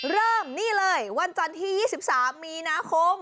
เริ่มนี่เลยวันจันทร์ที่๒๓มีนาคม